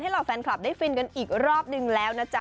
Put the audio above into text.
เหล่าแฟนคลับได้ฟินกันอีกรอบนึงแล้วนะจ๊ะ